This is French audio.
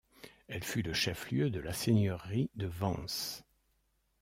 Elle fut le chef-lieu de la seigneurie de Vens.